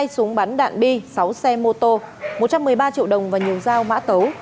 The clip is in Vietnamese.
hai súng bắn đạn bi sáu xe mô tô một trăm một mươi ba triệu đồng và nhiều dao mã tấu